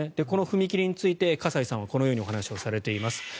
この踏み切りについて葛西さんはこのようにお話をされています。